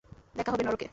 দেখা হবে নরকে।